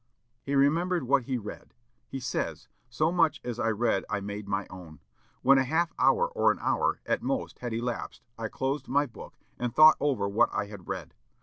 He remembered what he read. He says, "So much as I read I made my own. When a half hour or an hour, at most, had elapsed, I closed my book, and thought over what I had read.